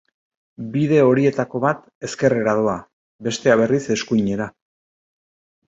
Bide horietako bat, ezkerrera doa, bestea, berriz, eskuinera.